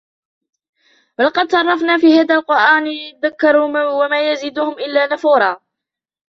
ولقد صرفنا في هذا القرآن ليذكروا وما يزيدهم إلا نفورا